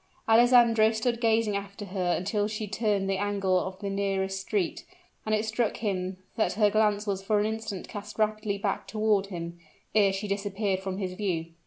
Alessandro stood gazing after her until she turned the angle of the nearest street, and it struck him that her glance was for an instant cast rapidly back toward him, ere she disappeared from his view.